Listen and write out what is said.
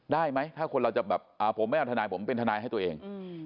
ได้ไหมถ้าคนเราจะแบบผมไม่เอาทนายผมเป็นทนายให้ตัวเอง